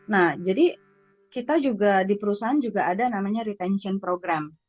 nah jadi kita juga di perusahaan juga ada namanya retention program